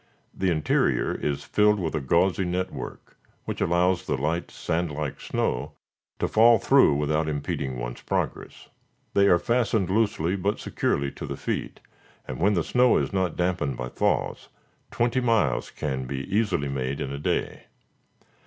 The interior is filled with a gauzy network, which allows the light, sand like snow to fall through without impeding one's progress. They are fastened loosely but securely to the feet, and when the snow is not dampened by thaws, twenty miles can be easily made in a day.